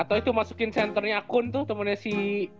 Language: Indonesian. atau itu masukin senternya akun tuh temennya si